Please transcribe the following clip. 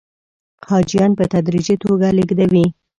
حاجیان په تدریجي توګه لېږدوي.